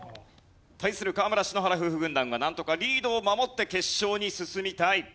対する河村＆篠原夫婦軍団はなんとかリードを守って決勝に進みたい。